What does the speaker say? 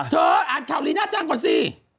อ่านข่าวลีน่าจังก่อนสิ